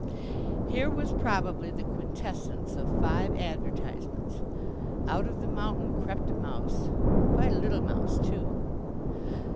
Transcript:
Here was probably the quintessence of five advertisements. Out of the mountain crept a mouse, and quite a little mouse, too!